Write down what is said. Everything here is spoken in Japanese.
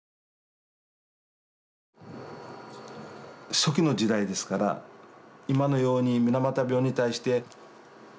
初期の時代ですから今のように水俣病に対して理解などありません。